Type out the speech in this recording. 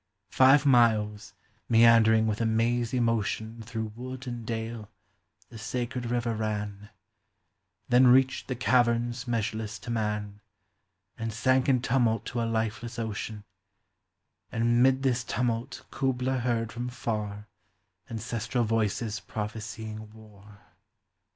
Five miles, meandering with a mazy motion Through wood and dale, the sacred river ran, — Tin 'ii reached the caverns measureless to man, And sank in tumult to a lifeless ocean, And mid this tumult Kubla heard from far Ancestral voices prophesying war.